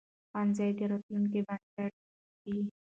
ښوونځی د راتلونکي بنسټ ږدي